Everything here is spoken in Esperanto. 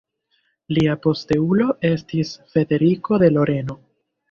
Lia posteulo estis Frederiko de Loreno.